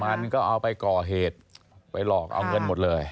มันก็เอาไปก่อเหตุไปหลอกเอาเงินหมดเลย